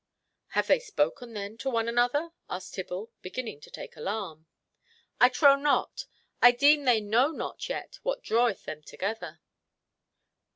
"Have they spoken then to one another?" asked Tibble, beginning to take alarm. "I trow not. I deem they know not yet what draweth them together."